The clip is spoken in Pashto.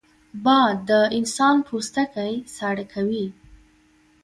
باد د انسان پوستکی ساړه کوي